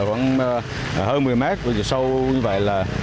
hơn một mươi m sâu như vậy là